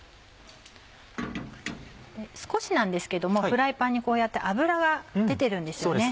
少しなんですけどもフライパンにこうやって油が出てるんですよね。